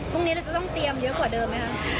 พรุ่งนี้เราจะต้องเตรียมเยอะกว่าเดิมไหมคะ